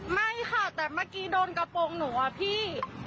ไม่ค่ะแต่เมื่อกี้โดนกระโปรงหนูอะพี่